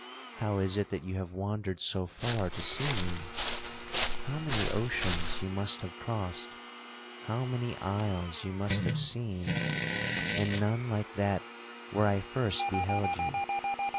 —how is it that you have wandered so far to see me? How many oceans you must have crossed, how many isles you must have seen, and none like that where I first beheld you!